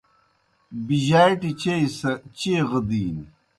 بِجَاٹِیْ چیئی سہ چیغہ دِینیْ۔